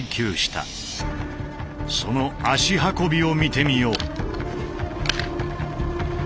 その「足運び」を見てみよう。